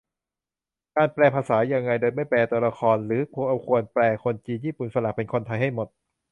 จะแปลภาษายังไง โดยไม่แปลตัวละคร - หรือเราควรแปลคนจีน ญี่ปุ่น ฝรั่ง เป็นคนไทยให้หมด ?